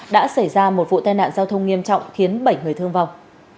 đã xảy ra một vụ tai nạn giao thông nghiêm trọng khiến bảy người thương vong